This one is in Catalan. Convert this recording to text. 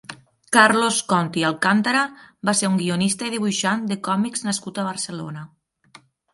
Carlos Conti Alcántara va ser un guionista i dibuixant de còmics nascut a Barcelona.